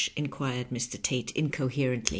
inquired Mr. Tate, incoherently.